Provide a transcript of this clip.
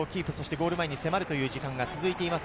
ゴール前に迫る時間が続いています。